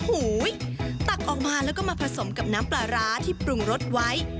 ตักออกมาแล้วก็มาผสมกับน้ำปลาร้าที่ปรุงรสไว้